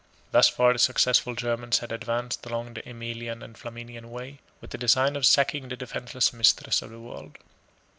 36 Thus far the successful Germans had advanced along the Æmilian and Flaminian way, with a design of sacking the defenceless mistress of the world.